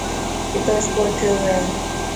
ڪتو اسڪور ٿيو هي.